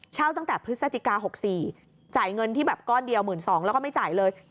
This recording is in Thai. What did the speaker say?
ตั้งแต่พฤศจิกา๖๔จ่ายเงินที่แบบก้อนเดียว๑๒๐๐แล้วก็ไม่จ่ายเลย